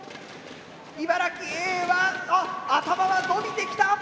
茨城Ａはあっ頭は伸びてきた！